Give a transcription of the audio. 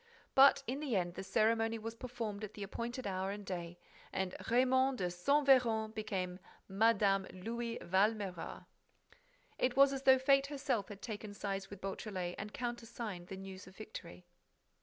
But, in the end, the ceremony was performed at the appointed hour and day and Raymonde de Saint Véran became Mme. Louis Valméras. It was as though Fate herself had taken sides with Beautrelet and countersigned the news of victory.